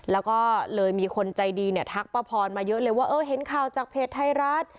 แล้วก็เลยมีคนใจดีเนี่ยทักป้าพรมาเยอะเลยว่าเออเห็นข่าวจากเพจไทยรัฐ